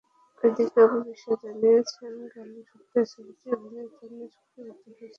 এদিকে, অপু বিশ্বাস জানিয়েছেন, গেল সপ্তাহে ছবিটিতে অভিনয়ের জন্য চুক্তিবদ্ধ হয়েছেন তিনি।